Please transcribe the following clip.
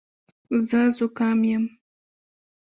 زه زکام یم.